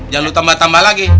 jangan lupa tambah tambah lagi